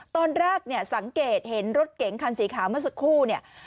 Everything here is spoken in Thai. ตอนแรกสังเกตเห็นรถเก๋งคันสีขาวเมื่อสักครู่